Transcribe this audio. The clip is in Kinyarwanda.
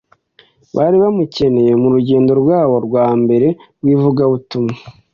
bari bamukeneye mu rugendo rwabo rwa mbere rw’ivugabutumwa.”